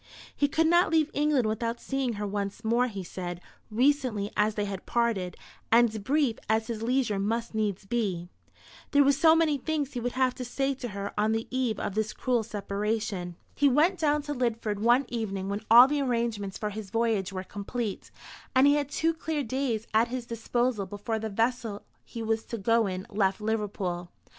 He could not leave England without seeing her once more, he said, recently as they had parted, and brief as his leisure must needs be. There were so many things he would have to say to her on the eve of this cruel separation. He went down to Lidford one evening when all the arrangements for his voyage were complete, and he had two clear days at his disposal before the vessel he was to go in left Liverpool.